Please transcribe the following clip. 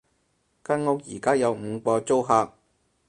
間屋而家有五個租客